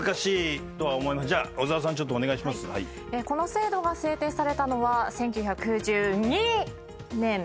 この制度が制定されたのは１９９２！年。